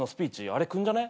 あれ来んじゃね？